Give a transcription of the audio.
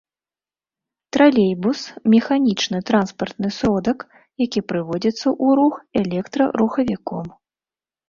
Тралейбус — механічны транспартны сродак, які прыводзіцца ў рух электрарухавіком